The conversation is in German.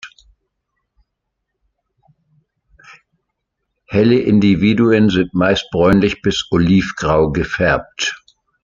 Helle Individuen sind meist bräunlich- bis oliv-grau gefärbt.